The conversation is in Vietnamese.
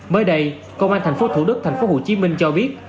mới đây công an thành phố thủ đức thành phố hồ chí minh cho biết